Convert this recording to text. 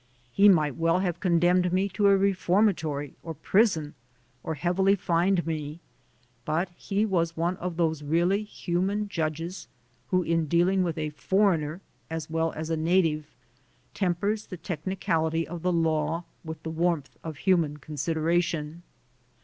He might well have condemned me to a re formatory or prison or heavily fined rne, but he was one of those really human judges, who in dealing with a "foreigner" as well as a native, tempers the techni cality of the law with the warmth of human con sideration.